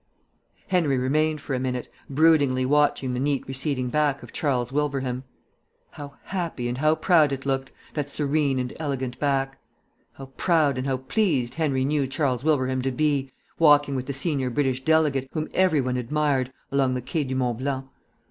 Henry remained for a minute, broodingly watching the neat receding back of Charles Wilbraham. How happy and how proud it looked, that serene and elegant back! How proud and how pleased Henry knew Charles Wilbraham to be, walking with the senior British delegate, whom every one admired, along the Quai du Mont Blanc!